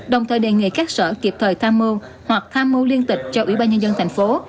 đồng thời đề nghị các sở kịp thời tham mưu hoặc tham mưu liên tịch cho ủy ban nhân dân thành phố